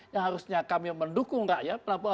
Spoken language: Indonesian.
yang harusnya kami mendukung rakyat